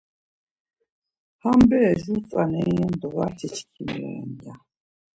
Ham bere jur tzaneri ren do varti çkimi ren ya.